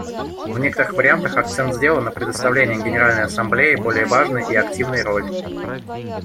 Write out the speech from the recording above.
В некоторых вариантах акцент сделан на предоставлении Генеральной Ассамблее более важной и активной роли.